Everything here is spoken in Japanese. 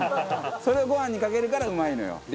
それをご飯にかけるからうまいのよ。